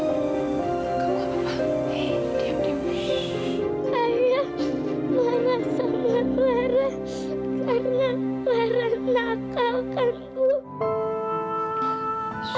marah sama lara karena lara nakalkanmu